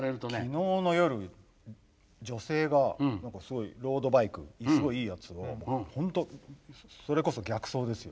昨日の夜女性がすごいロードバイクすごいいいやつを本当それこそ逆走ですよ。